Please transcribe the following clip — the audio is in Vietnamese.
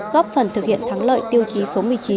góp phần thực hiện thắng lợi tiêu chí số một mươi chín